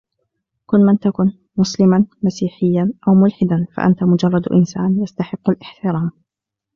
كن من تكن؛ مسلما، مسيحيا أو ملحدا؛ فأنت مجرد إنسان يستحق الاحترام.